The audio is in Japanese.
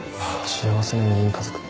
幸せな４人家族って？